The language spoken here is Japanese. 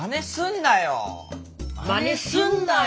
まねすんなよ！